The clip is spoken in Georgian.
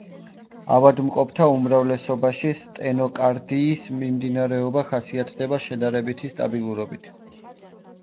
ავადმყოფთა უმრავლესობაში სტენოკარდიის მიმდინარეობა ხასიათდება შედარებითი სტაბილურობით.